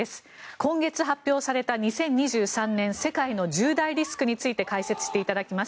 今月発表された２０２３年世界の１０大リスクについて解説していただきます。